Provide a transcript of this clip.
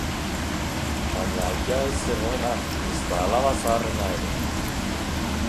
Baina aita ez zegoen han, ezta alaba zaharrena ere.